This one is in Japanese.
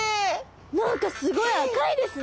何かすごい赤いですね。